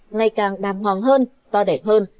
ngày càng đàng hoàng hơn to đẹp hơn